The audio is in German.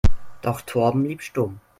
Doch Torben blieb stumm.